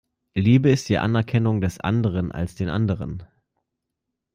Liebe ist die Anerkennung des Anderen als den Anderen.